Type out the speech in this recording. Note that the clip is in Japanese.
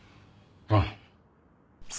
ああ。